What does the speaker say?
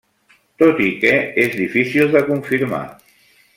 Tot i que és difícil de confirmar.